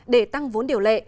để tăng vốn điều lệ